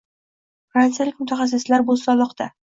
Fransiyalik mutaxassislar Bo`stonliqda